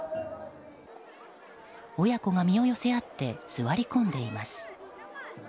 親子が身を寄せ合って座り込んでいます。